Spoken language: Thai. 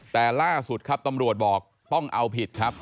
แต่ล่าสุดครับตำรวจบอกต้องเอาผิดครับ